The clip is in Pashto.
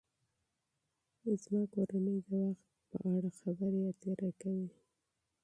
زما کورنۍ د وخت په اړه بحث کوي.